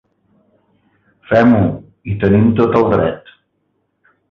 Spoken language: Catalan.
Fem-ho, hi tenim tot el dret.